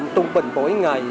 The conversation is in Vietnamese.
trung bình mỗi ngày